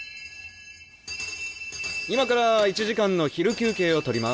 今から１時間の昼休憩を取ります。